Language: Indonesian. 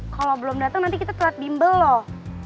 kalau belum datang nanti kita telat bimbel loh